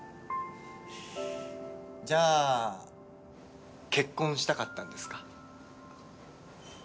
じゃあ結婚したかったんですか？